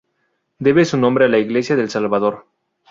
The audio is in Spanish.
Debe su nombre a la iglesia del Salvador.